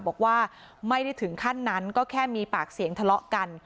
บอกว่าไม่ได้ถึงขั้นนั้นก็แค่มีปากเสียงทะเลาะกัน